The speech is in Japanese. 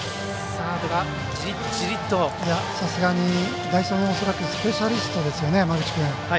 さすがに代走の、恐らくスペシャリストですよね、山口君。